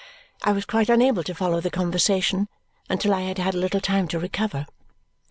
I was quite unable to follow the conversation until I had had a little time to recover.